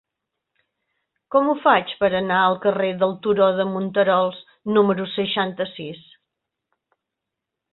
Com ho faig per anar al carrer del Turó de Monterols número seixanta-sis?